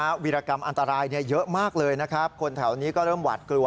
นะครับวิรากรรมอันตรายเยอะมากคนแถวนี้ก็เริ่มหวาดกลัว